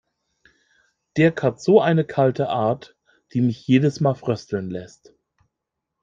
Dirk hat so eine kalte Art, die mich jedes Mal frösteln lässt.